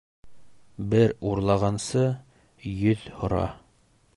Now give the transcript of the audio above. Бер урлағансы, йөҙ һора.